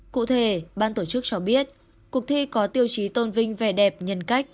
cụ thể ban tổ chức cho biết cuộc thi có tiêu chí tôn vinh vẻ đẹp nhân cách